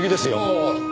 ああ。